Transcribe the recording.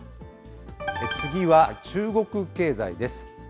次は中国経済です。